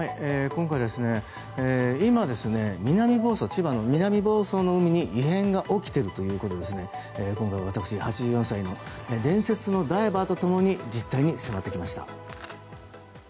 今回今、千葉の南房総の海に異変が起きているということで今回、私８４歳の伝説のダイバーと一緒に実態に迫ってきました。